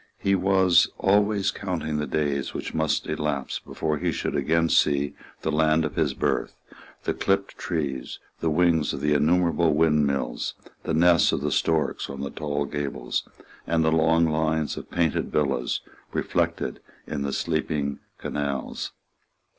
He was always counting the days which must elapse before he should again see the land of his birth, the clipped trees, the wings of the innumerable windmills, the nests of the storks on the tall gables, and the long lines of painted villas reflected in the sleeping canals.